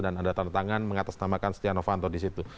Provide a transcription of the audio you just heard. dan ada tanda tangan mengatasnamakan setia novanto disitu